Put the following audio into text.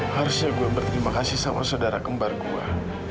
harusnya gue berterima kasih sama saudara kembar gue